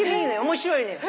面白いのよ。